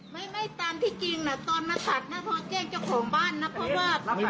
ไม่ไม่ตามที่จริงน่ะตอนมาตัดนะโทรแจ้งเจ้าของบ้านนะเพราะว่า